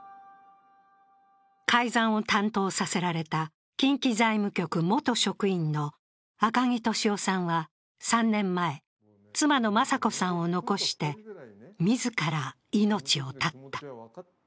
改ざんを担当させられた近畿財務局元職員の赤木俊夫さんは３年前、妻の雅子さんを残して自ら命を絶った。